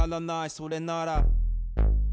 それなら。